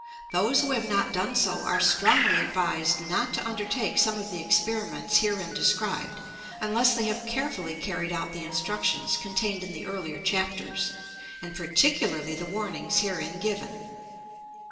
Those who have not done so are strongly advised not to undertake some of the experiments herein described unless they have carefully carried out the instructions contained in the earlier chapters, and par ticularly the warnings herein given.